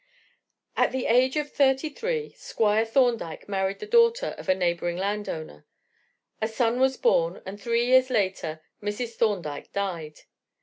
At the age of thirty three Squire Thorndyke married the daughter of a neighboring landowner; a son was born and three years later Mrs. Thorndyke died.